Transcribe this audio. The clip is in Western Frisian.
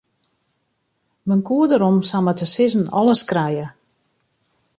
Men koe der om samar te sizzen alles krije.